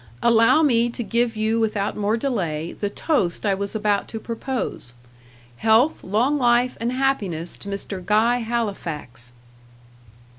Allow me to give you without more delay the toast I was about to propose, 'Health, long life, and happiness to Mr. Guy Halifax.'"